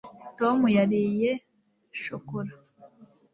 tom yariye shokora